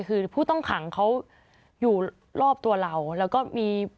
คือผู้ต้องขังเขาอยู่รอบตัวเราแล้วก็มี